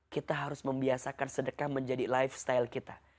kita harus membiasakan sedekah menjadi lifestyle kita